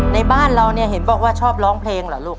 ในบ้านเราเนี่ยเห็นบอกว่าชอบร้องเพลงเหรอลูก